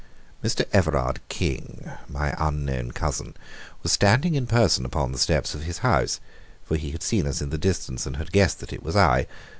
Mr. Everard King, my unknown cousin, was standing in person upon the steps of his house, for he had seen us in the distance, and guessed that it was I.